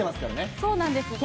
そうなんです。